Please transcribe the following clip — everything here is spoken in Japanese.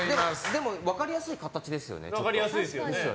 でも分かりやすい形ですよね。